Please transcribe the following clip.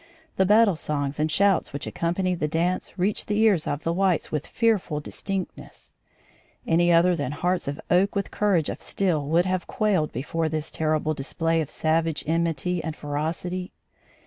The battle songs and shouts which accompanied the dance reached the ears of the whites with fearful distinctness. Any other than hearts of oak with courage of steel would have quailed before this terrible display of savage enmity and ferocity.